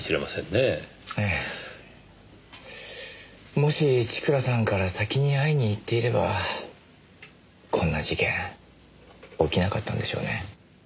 もし千倉さんから先に会いにいっていればこんな事件起きなかったんでしょうね。